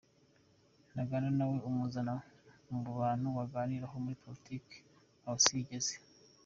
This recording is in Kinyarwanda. Ntaganda nawe umuzana mubantu waganiraho muri Politics aho isi igeze.